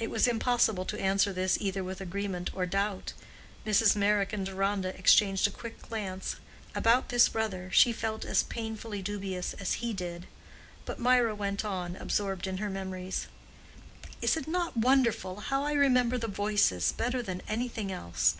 It was impossible to answer this either with agreement or doubt. Mrs. Meyrick and Deronda exchanged a quick glance: about this brother she felt as painfully dubious as he did. But Mirah went on, absorbed in her memories, "Is it not wonderful how I remember the voices better than anything else?